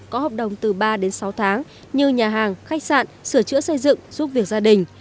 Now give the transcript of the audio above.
có hợp đồng từ ba đến sáu tháng như nhà hàng khách sạn sửa chữa xây dựng giúp việc gia đình